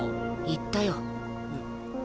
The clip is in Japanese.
言ったよ。え。